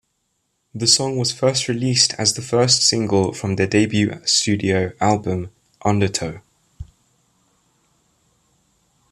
The song was released as the first single from their debut studio album, "Undertow".